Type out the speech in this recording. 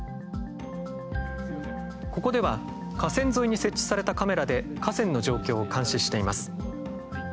ここでは河川沿いに設置されたカメラで河川の状況を監視しています。